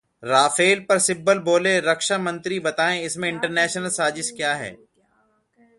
Rafale पर सिब्बल बोले- रक्षा मंत्री बताएं इसमें इंटरनेशनल साजिश क्या है?